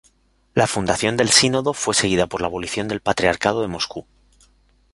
La fundación del Sínodo fue seguida por la abolición del Patriarcado de Moscú.